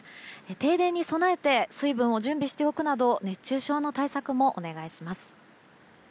停電に備えて水分を準備しておくなど熱中症の対策もお願いします。